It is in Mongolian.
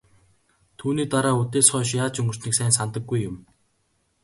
Түүний дараа үдээс хойш яаж өнгөрснийг сайн санадаггүй юм.